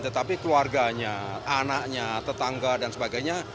tetapi keluarganya anaknya tetangga dan sebagainya